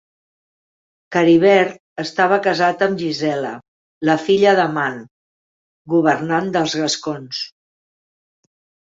Caribert estava casat amb Gisela, la filla d'Amand, governant dels gascons.